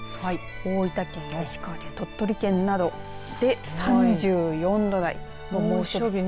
大分県や石川県、鳥取県など３４度台の猛暑日。